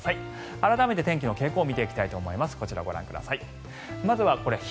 改めて天気の傾向を見ていきたいと思います。